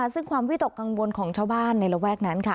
ซึ่งความวิตกกังวลของชาวบ้านในระแวกนั้นค่ะ